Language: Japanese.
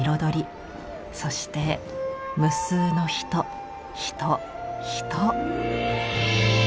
そして無数の人人人。